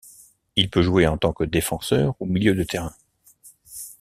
Il peut jouer en tant que défenseur ou milieu de terrain.